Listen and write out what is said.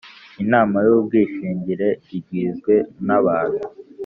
Inama y ubwishingire igizwe n abantu